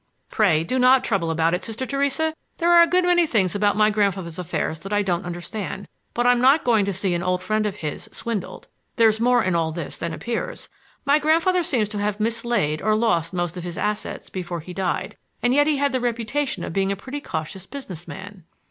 "Pray do not trouble about it, Sister Theresa. There are a good many things about my grandfather's affairs that I don't understand, but I'm not going to see an old friend of his swindled. There's more in all this than appears. My grandfather seems to have mislaid or lost most of his assets before he died. And yet he had the reputation of being a pretty cautious business man."